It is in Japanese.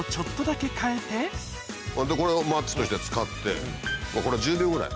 これをマッチとして使ってこれ１０秒ぐらい。